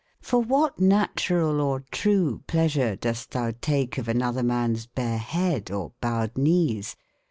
for what naturall or trewe pleasure doest thou take of an oth/ er mans bare hede, or bowed knees